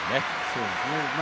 そうですね。